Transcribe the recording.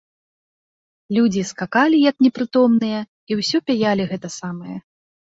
Людзі скакалі, як непрытомныя, і ўсё пяялі гэта самае.